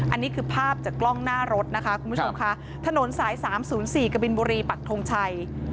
อันนี้คือภาพกล้องหน้ารถนะคะคุณผู้ชมค่ะถนน๓๐๔กบปัททงชัย